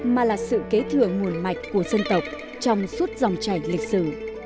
mà là sự kế thừa nguồn mạch của dân tộc trong suốt dòng chảy lịch sử